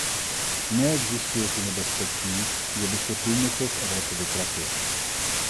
Neexistuje tu nebezpečí, že by se průmysl z Evropy vytratil.